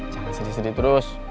jangan sedih sedih terus